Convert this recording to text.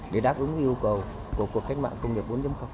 để đáp ứng yêu cầu của cuộc cách mạng công nghiệp bốn